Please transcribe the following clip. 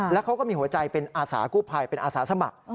แล้วเขาก็มีหัวใจเป็นอาสากู้ภัยเป็นอาสาสมัคร